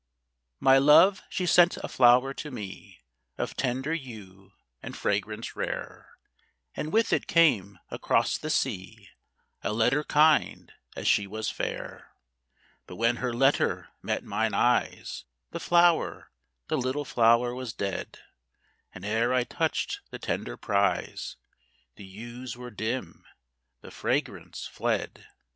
My love she sent a flower to me Of tender hue and fragrance rare, And with it came across the sea A letter kind as she was fair; But when her letter met mine eyes, The flower, the little flower, was dead: And ere I touched the tender prize The hues were dim, the fragrance fled.